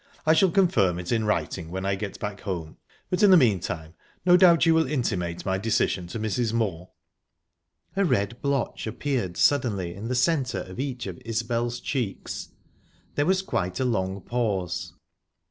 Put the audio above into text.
I shall confirm it in writing when I get back home, but in the meantime no doubt you will intimate my decision to Mrs. Moor?" A red blotch appeared suddenly in the centre of each of Isbel's cheeks...There was quite a long pause.